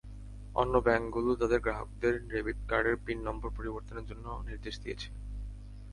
অন্য ব্যাংকগুলোও তাদের গ্রাহকদের ডেবিট কার্ডের পিন নম্বর পরিবর্তনের জন্য নির্দেশ দিয়েছে।